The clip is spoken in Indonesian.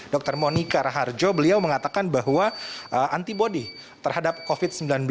dr monika raharjo beliau mengatakan bahwa antibody terhadap covid sembilan belas